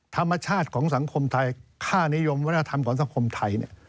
ธรรมชาติของสังคมไทยค่านิยมวัฒนธรรมของสังคมไทยเนี่ย